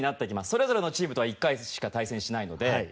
それぞれのチームとは１回ずつしか対戦しないので。